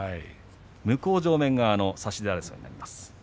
向正面側の差し手争いになります。